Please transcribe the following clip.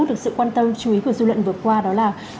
được sự quan tâm chú ý của dư luận vừa qua đó là